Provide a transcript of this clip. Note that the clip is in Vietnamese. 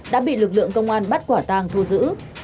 đã bị lực lượng công an bắt quả tàng thu giữ